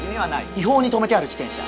違法に停めてある自転車。